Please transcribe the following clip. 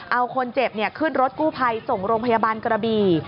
เอาคนเจ็บขึ้นรถกู้ภัยส่งโรงพยาบาลกระบี่